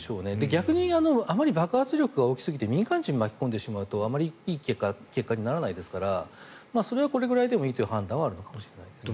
逆にあまり爆発力が大きすぎて民間人を巻き込んでしまうとあまりいい結果にならないですからそれはこれくらいでもいいという判断はあるかもしれないですね。